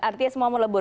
artinya semua melebur